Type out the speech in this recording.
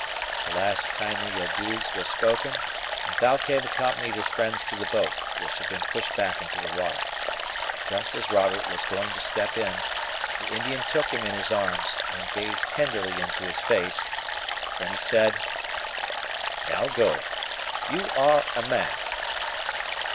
The last kindly adieux were spoken, and Thalcave accompanied his friends to the boat, which had been pushed back into the water. Just as Robert was going to step in, the Indian took him in his arms, and gazed tenderly into his face. Then he said: "Now go. You are a man."